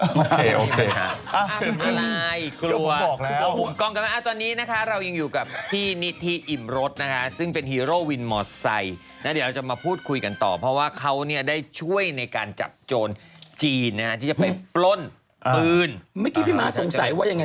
กรุงกาแม่ตอนนี้นะฮะเรายังอยู่กับที่นี่ที่อิ่มรถน่ะซึ่งเป็นฮีโร่วินมอเซง่าเดี๋ยวจะมาพูดคุยกันต่อเพราะว่าเข้าเนี่ยได้ช่วยในการจับโจรจีนเอ่อที่จะไปปี้